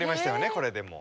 これでもう。